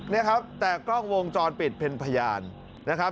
นี่ครับแต่กล้องวงจรปิดเป็นพยานนะครับ